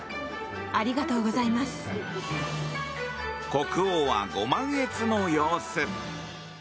国王はご満悦の様子。